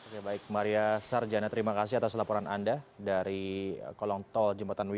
ya baik maria sarjana terima kasih atas laporan anda dari kolong tol jembatan wi